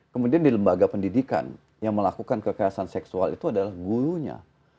kemudian di lembaga pendidikan yang melakukan kekerasan seksual itu adalah gurunya